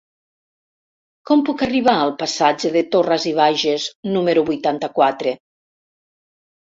Com puc arribar al passatge de Torras i Bages número vuitanta-quatre?